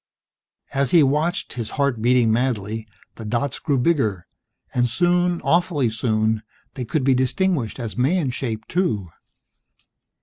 As he watched, his heart beating madly, the dots grew bigger, and soon, awfully soon, they could be distinguished as man shaped, too.